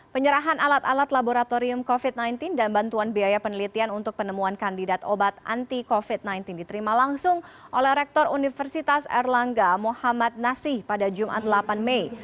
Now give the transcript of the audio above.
penyerahan alat alat laboratorium covid sembilan belas dan bantuan biaya penelitian untuk penemuan kandidat obat anti covid sembilan belas diterima langsung oleh rektor universitas erlangga muhammad nasih pada jumat delapan mei